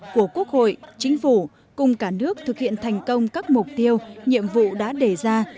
của quốc hội chính phủ cùng cả nước thực hiện thành công các mục tiêu nhiệm vụ đã đề ra